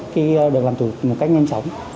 khi được làm thủ tục một cách nhanh chóng